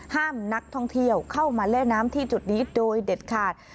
ห้ามนักท่องเที่ยวเข้ามาเล่นน้ำที่จุดนี้โดยเด็ดขาด